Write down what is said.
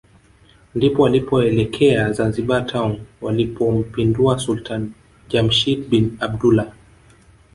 ndipo walipoelekea Zanzibar Town walipompindua Sultani Jamshid bin Abdullah